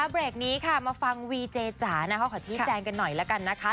เบรกนี้ค่ะมาฟังวีเจจ๋านะคะขอชี้แจงกันหน่อยละกันนะคะ